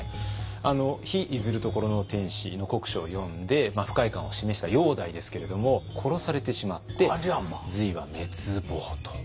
「日出ずる処の天子」の国書を読んで不快感を示した煬帝ですけれども殺されてしまって隋は滅亡と。